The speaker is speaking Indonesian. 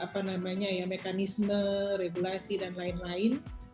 kalau obat itu kan sudah melalui mekanisme regulasi dan lain lain